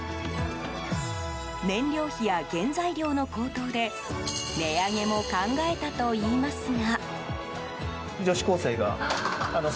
燃料費や原材料の高騰で値上げも考えたといいますが。